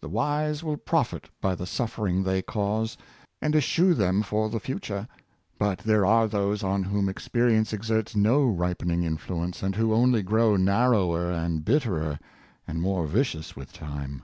The wise will profit by the suffering they cause, and eschew them for the future, but there are those on whom experience exerts no ripening influence, and who only grow narrower and bitterer, and more vicious with time.